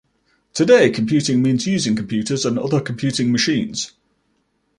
Today, "computing" means using computers and other computing machines.